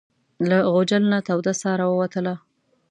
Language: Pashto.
له غوجل نه توده ساه راووتله.